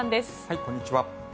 こんにちは。